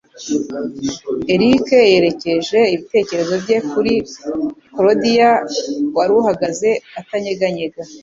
Eric yerekeje ibitekerezo bye kuri Claudia, wari uhagaze atanyeganyega.